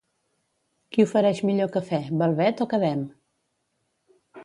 Qui ofereix millor cafè Velvet o Quedem?